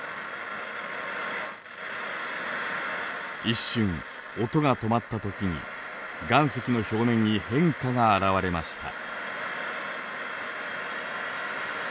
一瞬音が止まった時に岩石の表面に変化が現れました。